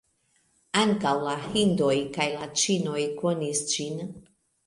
Ankaŭ la hindoj kaj la ĉinoj konis ĝin.